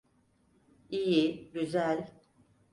İyi, güzel.